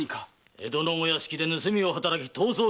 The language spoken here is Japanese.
江戸のお屋敷で盗みを働き逃走したのだ！